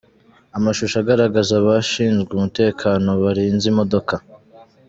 Amashusho agaragaza abashinzwe umutekano barinze imodoka